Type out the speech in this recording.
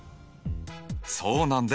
そうなんです。